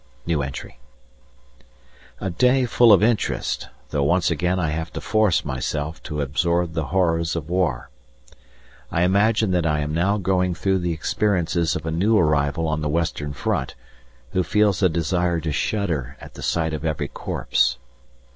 A day full of interest, though once again I have had to force myself to absorb the horrors of War. I imagine that I am now going through the experiences of a new arrival on the Western Front, who feels a desire to shudder at the sight of every corpse.